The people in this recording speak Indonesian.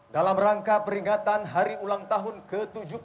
dalam rangka peringatan hari ulang tahun ke tujuh puluh tiga